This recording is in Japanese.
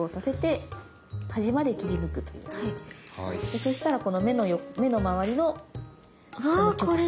そしたらこの目のまわりのこの曲線。